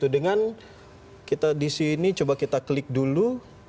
dengan kita di sini coba kita klik dulu